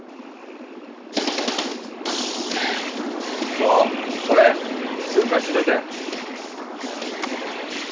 そうそれすぐ回収しといて。